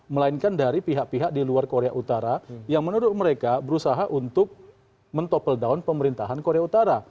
melainkan dari pihak pihak di luar korea utara yang menurut mereka berusaha untuk men tople down pemerintahan korea utara